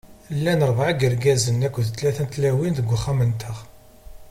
Llan ṛebɛa n yirgazen akked tlata n tlawin deg uxxam-nteɣ.